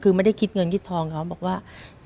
คือไม่ได้คิดเงินคิดทองเขาบอกว่า